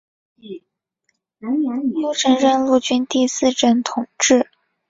后升任陆军第四镇统制。